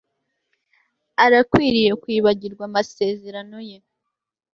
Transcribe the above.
Arakwiriye kwibagirwa amasezerano ye